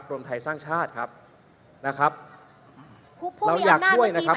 กรมไทยสร้างชาติครับเราอยากช่วยนะครับ